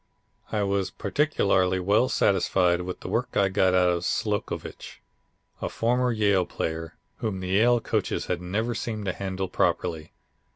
I was particularly well satisfied with the work I got out of Slocovitch, a former Yale player, whom the Yale coaches had never seemed to handle properly.